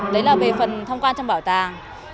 đấy là về phần tham quan trong bảo tàng